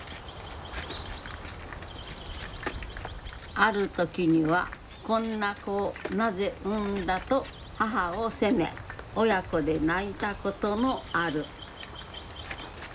ある時には「こんな子をなぜ産んだ」と母を責め親子で泣いたこともある。